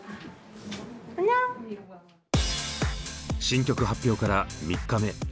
新曲発表から３日目。